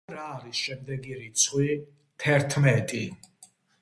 ახლა რა არის შემდეგი რიცხვი? თერთმეტი.